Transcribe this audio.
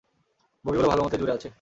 বগিগুলো ভালোমতোই জুরে আছে।